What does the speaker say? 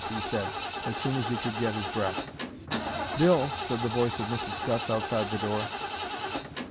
he said as soon as he could get his breath. "Bill," said the voice of Mrs. Scutts, outside the door.